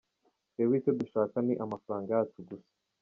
Twebwe icyo dushaka ni amafaranga yacu gusa.